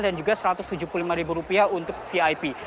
dan juga rp satu ratus tujuh puluh lima untuk vip